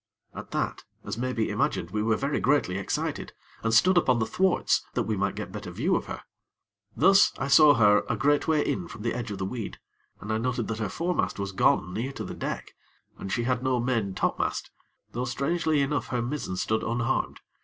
At that, as may be imagined, we were very greatly excited, and stood upon the thwarts that we might get better view of her. Thus I saw her a great way in from the edge of the weed, and I noted that her foremast was gone near to the deck, and she had no main topmast; though, strangely enough, her mizzen stood unharmed.